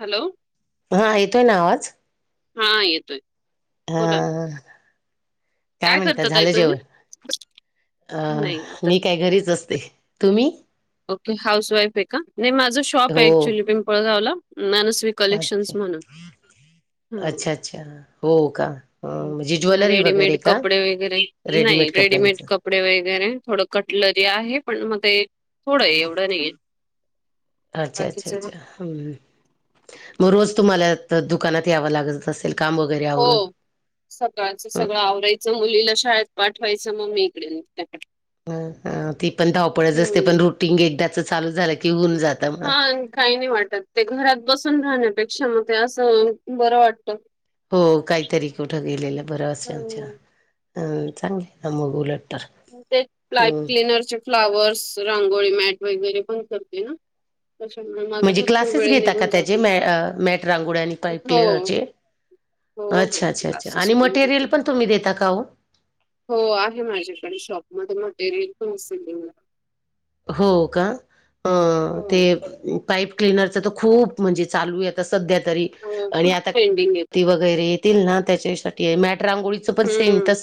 Hello हा येतोय ना आवाज हा येतोय बोला ना हा काय म्हणतात करता ताई झालं तुम्ही? जेवण अं नाही आता मी काय घरीच असते तुम्ही ओके हाऊस वाईफ आहे का नाही माझं शॉप आहे हो ऍक्च्युली पिंपळगावला मनसवीिक कलेक्शन्स अच्छा म्हणून हं अच्छा अच्छा हो का अ म्हणजे ज्वेलरी रेडीमेड वगैरे का कपडे वगैरे नाही रेडीमेड कपडे वगैरे थोडं कटलरी आहे पण मग ते थोडं ए एवढं नही बाकीच हमम मग रोज तुम्हाला अता दुकानात यावं लागत असेल का मग हो सकाळचं सगळं ह आवरायचं मुलीला शाळेत पाठवायचं म मी इकडे निघते ह ती पण धावपळच असते हम्म पण रुटीन एकदाच चालू झालं की होऊन जात हा काही नाही वाटत ते घरात बसून राहण्यापेक्षा मग ते असं बरं वाटत हो काहीतरी कुठं गेलेलं बरं असं आमच्या हम्म अ चांगले ना मग उलट तर ते प्इप हम्म. क्लनरचे फ्लावर्स रांगोळी मॅट वगैरे पण करते ना त्याच्यामुळे माझा म्हणजे भरपूर क्लासेस वेळ घेता का निघून त्याचे जातो मॅट रांगोळ आणि पाईप हो क्लनरचे हो हो अच्छा अच्छा अच्छा क्लासेस आणि पण घेते मटेरियल पण तुम्ही देता का हो हो आहे माझ्याकडे शॉपमध्येध्ये मटेरियल पण सिलिंग हो का हो ते पाईप क्लनरच खूप म्हणजे चालू आहे आता सध्या तरी हो आणि खूप आता ट्रेंडिंग येते वगैरे तील ना त्याच्यासाठी मॅट रांगोळी हम्म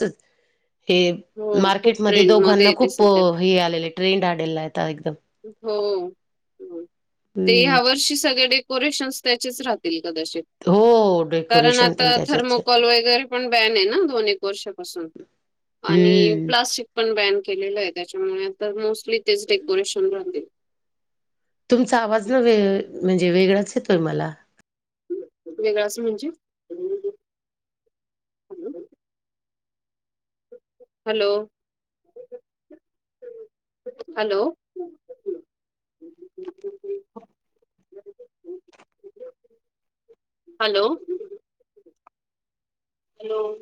हो खूप म ट्रेंड मध्ये दोघना येते खप सध्या हे आलेले ट्रेंड आलेला आहेता एकदम हो ते हम्म ह्या वर्षी सगळेडे डेोरेशनस त्याचेच राहतील कदाचित हो कारण डेकोरेशन पण आता त्याच अच्छा थर्मोकॉल वगैरे पण बॅन आहे ना दोन एक वर्षापासून आणि हम्म. प्लास्टिक पण बॅन केलेलं आहे त्याच्यामुळे आ मोस्टली तेच डेकोरेशन राह तुमचा आवाज ना वे म्हणजे वेगळाच येतोय मला वेगळं असं म्हणजे हॅलो हॅलो हॅलो हॅलो